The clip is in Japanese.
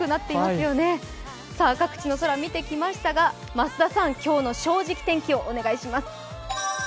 各地の空、見てきましたが増田さん、今日の「正直天気」をお願いします。